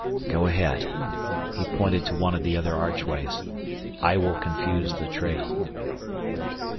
"Go ahead." He pointed to one of the other archways. "I will confuse the trail."